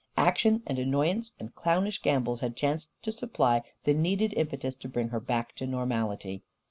Action and annoyance and clownish gambols had chanced to supply the needed impetus to bring her back to normality.